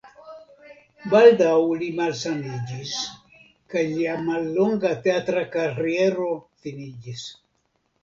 Baldaŭ li malsaniĝis kaj lia mallonga teatra kariero finiĝis.